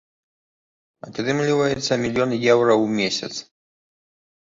Атрымліваецца мільён еўра ў месяц.